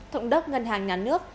thủng đốc ngân hàng nhán nước